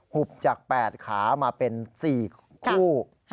หุบจาก๘ขามาเป็น๔สมชาติ